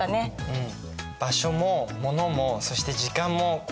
うん。